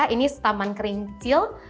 ini taman kering kecil